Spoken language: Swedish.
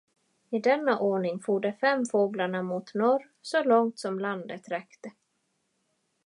I denna ordning for de fem fåglarna mot norr, så långt som landet räckte.